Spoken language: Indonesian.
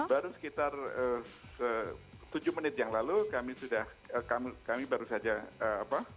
baru sekitar tujuh menit yang lalu kami baru saja komunikasi